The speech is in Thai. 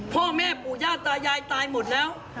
พ่อแม่ปู่ย่าตายายตายหมดแล้ว